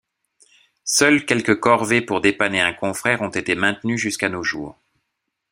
Seules quelques corvées pour dépanner un confrère ont été maintenues jusqu’à nos jours.